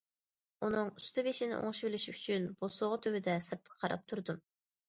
ئۇنىڭ ئۈستى- بېشىنى ئوڭشىۋېلىشى ئۈچۈن بوسۇغا تۈۋىدە سىرتقا قاراپ تۇردۇم.